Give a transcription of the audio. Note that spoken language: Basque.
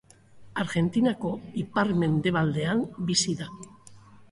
Argentinako ipar-mendebaldean bizi da.